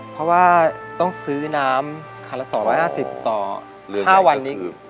เพราะว่าต้องซื้อน้ำคันละ๒๕๐ต่อ๕วันนี้